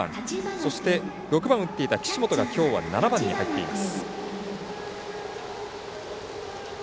そして、６番を打っていた岸本がきょうは７番に入っています。